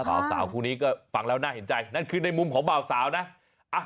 สาวคู่นี้ก็ฟังแล้วน่าเห็นใจนั่นคือในมุมของบ่าวสาวนะ